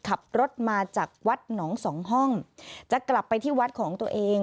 ขับรถมาจากวัดหนองสองห้องจะกลับไปที่วัดของตัวเอง